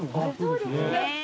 そうですね。